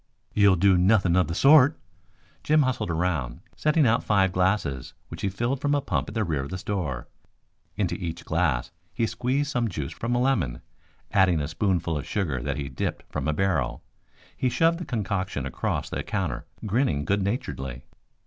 "You'll do nothing of the sort." Jim hustled around, setting out five glasses which he filled from a pump at the rear of the store. Into each glass he squeezed some juice from a lemon, adding a spoonful of sugar that he dipped from a barrel. He shoved the concoction across the counter grinning good naturedly.